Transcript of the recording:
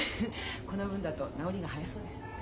この分だと治りが早そうです。